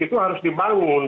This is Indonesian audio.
itu harus dibangun